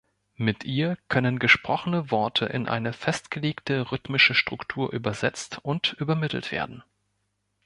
Mit ihr können gesprochene Worte in eine festgelegte rhythmische Struktur übersetzt und übermittelt werden.